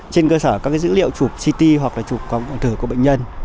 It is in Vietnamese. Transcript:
trên cơ sở các dữ liệu chụp ct hoặc là chụp quảng thử của bệnh nhân